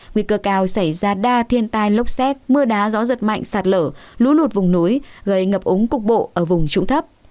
nguy cơ cao xảy ra đa thiên tai lốc xét mưa đá gió giật mạnh sạt lở lũ lụt vùng núi gây ngập úng cục bộ ở vùng trụng thấp